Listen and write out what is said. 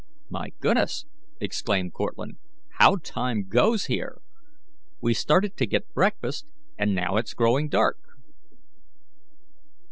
"My goodness! " exclaimed Cortlandt, "how time goes here! We started to get breakfast, and now it's growing dark."